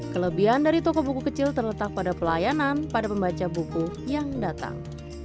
kelebihan dari toko buku kecil terletak pada pelayanan pada pembaca buku yang datang